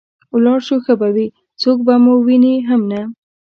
ولاړ شو ښه به وي، څوک به مو ویني هم نه.